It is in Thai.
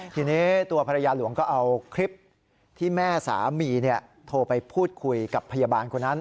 ทีนี้ตัวภรรยาหลวงก็เอาคลิปที่แม่สามีโทรไปพูดคุยกับพยาบาลคนนั้น